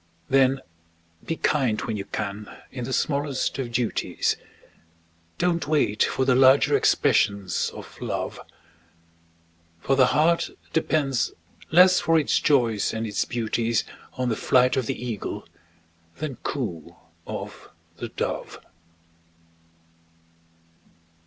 Then be kind when you can in the smallest of duties, Don't wait for the larger expressions of Love; For the heart depends less for its joys and its beauties On the flight of the Eagle than coo of the Dove.